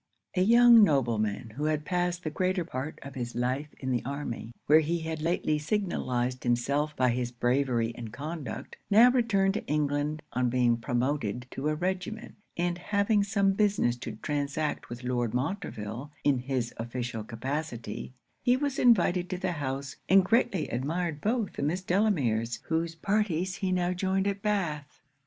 A young nobleman who had passed the greater part of his life in the army, where he had lately signalized himself by his bravery and conduct, now returned to England on being promoted to a regiment; and having some business to transact with Lord Montreville in his official capacity, he was invited to the house, and greatly admired both the Miss Delameres, whose parties he now joined at Bath.